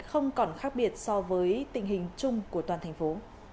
không còn khác biệt so với tình hình chung của toàn thành phố